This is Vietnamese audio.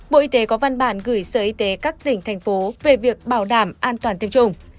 bộ y tế có văn bản gửi sở y tế các tỉnh thành phố về việc bảo đảm an toàn tiêm chủng